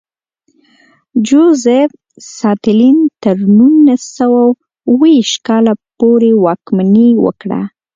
جوزېف ستالین تر نولس سوه اوه ویشت کال پورې واکمني وکړه.